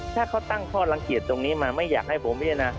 ถ้าเขาตั้งข้อลังเกียจตรงนี้มาไม่อยากให้ผมพิจารณา